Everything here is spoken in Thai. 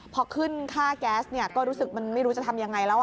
พอขึ้นค่าแก๊สเนี่ยก็รู้สึกมันไม่รู้จะทำยังไงแล้ว